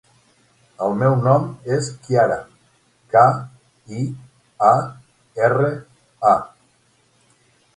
El meu nom és Kiara: ca, i, a, erra, a.